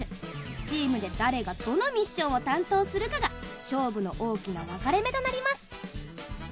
チームで誰がどのミッションを担当するかが勝負の大きな分かれ目となります。